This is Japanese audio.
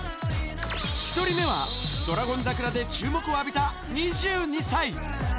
１人目はドラゴン桜で注目を浴びた２２歳。